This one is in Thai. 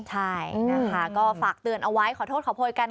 ใช่นะคะก็ฝากเตือนเอาไว้ขอโทษขอโพยกัน